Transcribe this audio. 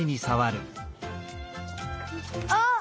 あっ！